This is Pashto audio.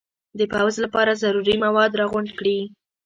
د پوځ لپاره ضروري مواد را غونډ کړي.